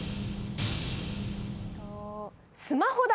スマホ代。